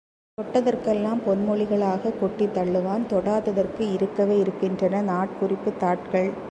தொட்டதற்கெல்லாம் பொன்மொழிகளாகக் கொட்டித் தள்ளுவான் தொடாதவற்றிற்கு இருக்கவே இருக்கின்றன, நாட்குறிப்புத் தாள்கள்.